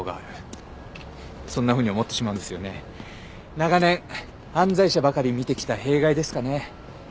長年犯罪者ばかり見てきた弊害ですかね。